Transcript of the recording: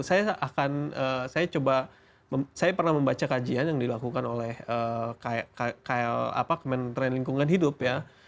saya akan saya coba saya pernah membaca kajian yang dilakukan oleh kl apa kementerian lingkungan hidup ya